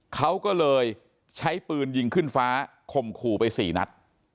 เขาก็เลยใช้ปืนยิงขึ้นฟ้าข่มขู่ไป๔นัด